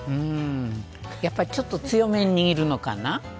やっぱりちょっと強めに握るのかな。